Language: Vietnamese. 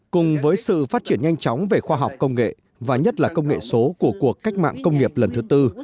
cùng với sự phát triển nhanh chóng về khoa học công nghệ và nhất là công nghệ số của cuộc cách mạng công nghiệp lần thứ tư